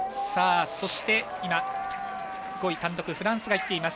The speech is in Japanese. そして、５位単独フランス。